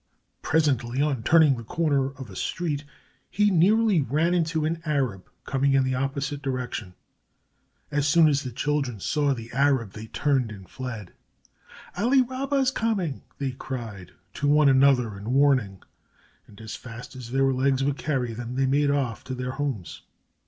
Presently, on turning the corner of a street, he nearly ran into an Arab coming in the opposite direction. As soon as the children saw the Arab they turned and fled. "Ali Rabba is coming," they cried to one another in warning, and as fast as their legs would carry them they made off to their homes.